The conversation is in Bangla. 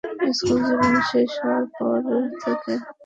স্কুল জীবন শেষ হওয়ার পর থেকে।